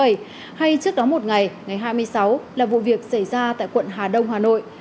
hay trước đó một ngày ngày hai mươi sáu là vụ việc xảy ra tại quận hà đông hà nội